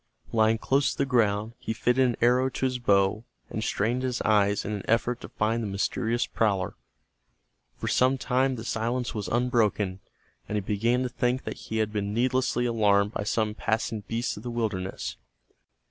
Lying close to the ground, he fitted an arrow to his bow, and strained his eyes in an effort to find the mysterious prowler. For some time the silence was unbroken, and he began to think that he had been needlessly alarmed by some passing beast of the wilderness.